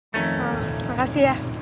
terima kasih ya